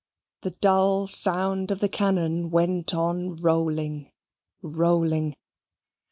The dull sound of the cannon went on rolling, rolling.